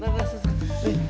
mau telepon dokter papi